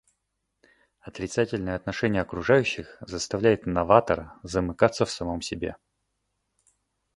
Отрицательное отношение окружающих заставляет новатора замыкаться в самом себе.